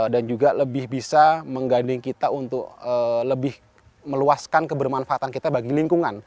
dan juga lebih bisa mengganding kita untuk lebih meluaskan kebermanfaatan kita bagi lingkungan